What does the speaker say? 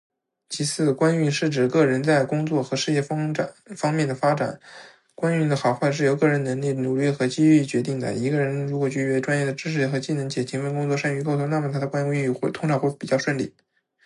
其次，官运是指个人在工作和事业方面的发展。官运的好坏也是由个人的能力、努力和机遇决定的。一个人如果具备专业的知识和技能，且勤奋工作、善于沟通，那么他的官运通常会比较顺利。同时，善于把握机遇和持续学习也是提升官运的重要因素。